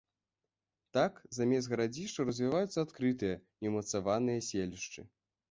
Так замест гарадзішчаў развіваюцца адкрытыя, неўмацаваныя селішчы.